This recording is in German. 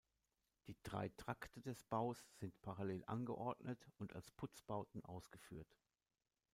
Die drei Trakte des Baus sind parallel angeordnet und als Putzbauten ausgeführt.